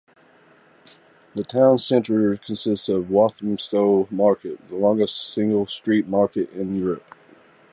The town centre consists of Walthamstow Market, the longest single street market in Europe.